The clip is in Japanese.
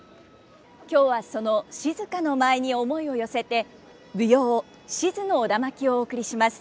今日はその静の舞に思いを寄せて舞踊「賤の苧環」をお送りします。